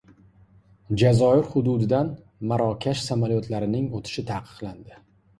Jazoir hududidan Marokash samolyotlarining o‘tishi taqiqlandi